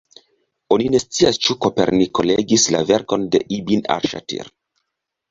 Oni ne scias ĉu Koperniko legis la verkon de ibn al-Ŝatir.